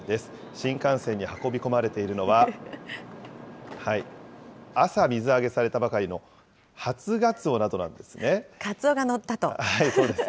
新幹線に運び込まれているのは、朝水揚げされたばかりの初ガツオなどなんですね。